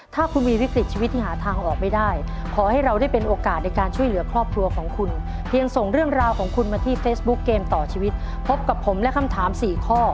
ถ้าคุณมีวิกฤตชีวิตที่หาทางออกไม่ได้ขอให้เราได้เป็นโอกาสในการช่วยเหลือครอบครัวของคุณเพียงส่งเรื่องราวของคุณมาที่เฟซบุ๊คเกมต่อชีวิตพบกับผมและคำถาม๔ข้อ